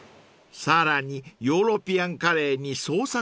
［さらにヨーロピアンカレーに創作カレー］